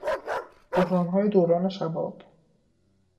بحرانهای دوران شباب